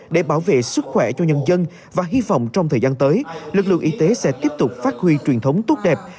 để bảo vệ sức khỏe cho nhân dân và hy vọng trong thời gian tới lực lượng y tế sẽ tiếp tục phát huy truyền thống tốt đẹp